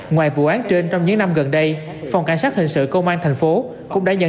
ngoài vụ án trên trong những năm gần đây phòng cảnh sát hình sự công an thành phố cũng đã nhận